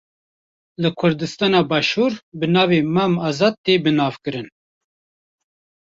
Li Kurdistana başûr bi navê Mam Azad tê bi nav kirin.